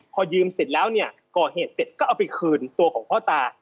พอยืมเสร็จแล้วเนี่ยก่อเหตุเสร็จก็เอาไปคืนตัวของพ่อตา